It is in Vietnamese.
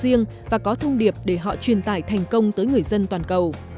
riêng và có thông điệp để họ truyền tải thành công tới người dân toàn cầu